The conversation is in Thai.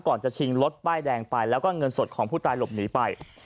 จะชิงรถป้ายแดงไปแล้วก็เงินสดของผู้ตายหลบหนีไป